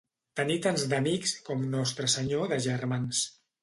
Tenir tants d'amics com Nostre Senyor de germans.